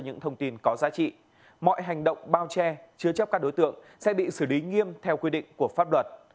những thông tin có giá trị mọi hành động bao che chứa chấp các đối tượng sẽ bị xử lý nghiêm theo quy định của pháp luật